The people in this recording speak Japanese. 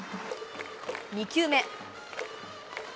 ２球目。